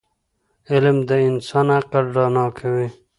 علم د انسان عقل رڼا کوي.